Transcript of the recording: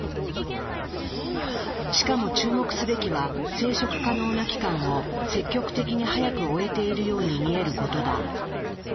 しかも注目すべきは生殖可能な期間を積極的に早く終えているように見えることだ。